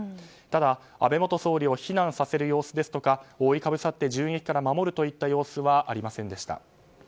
ただ、安倍元総理を避難させる様子ですとか覆いかぶさって銃撃から守るといった様子はありませんでした。